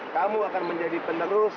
kamu akan menjadi pendalur